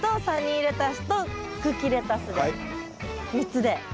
３つで。